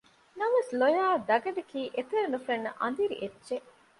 ނަމަވެސް ލޮޔާއި ދަގަނޑަކީ އެތެރެ ނުފެންނަ އަނދިރި އެއްޗެއް